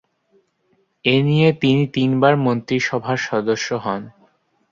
এ নিয়ে তিনি তিনবার মন্ত্রিসভার সদস্য হন।